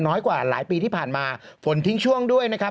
น้อยกว่าหลายปีที่ผ่านมาฝนทิ้งช่วงด้วยนะครับ